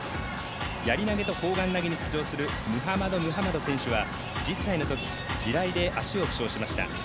やり投げと砲丸投げに出場するムハマド・ムハマド選手は１０歳のとき地雷で足を負傷しました。